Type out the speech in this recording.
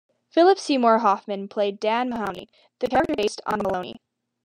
Philip Seymour Hoffman played "Dan Mahowny", the character based on Molony.